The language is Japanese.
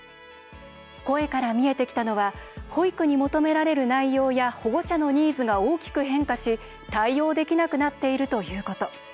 声から見えてきたのは保育に求められる内容や保護者のニーズが大きく変化し対応できなくなっているということ。